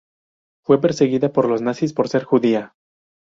Fue perseguida por los nazis por ser judía.